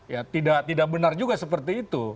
ya tidak benar juga seperti itu